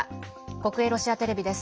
国営ロシアテレビです。